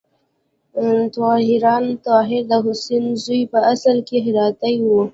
طاهریان: طاهر د حسین زوی په اصل کې هراتی و.